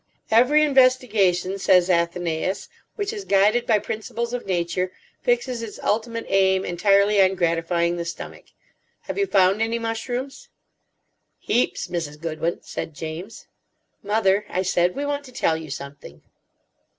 "Every investigation, says Athenaeus, which is guided by principles of Nature fixes its ultimate aim entirely on gratifying the stomach. Have you found any mushrooms?" "Heaps, Mrs. Goodwin," said James. "Mother," I said, "we want to tell you something."